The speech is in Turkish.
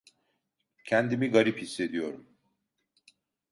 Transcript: Kendimi garip hissediyorum.